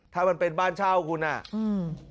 ถ้ามันเป็นบ้านเช่าของคุณ